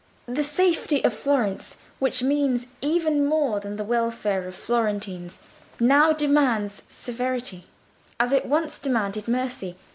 The safety of Florence, which means even more than the welfare of Florentines, now demands severity, as it once demanded mercy.